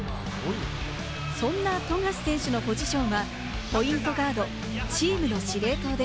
そんな富樫選手のポジションはポイントガード、チームの司令塔で